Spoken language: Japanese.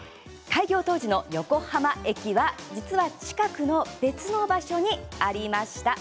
開業当時の横浜駅は実は近くの別の場所にありました。